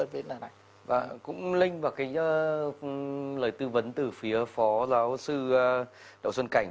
vâng cũng lênh vào cái lời tư vấn từ phía phó giáo sư đậu xuân cảnh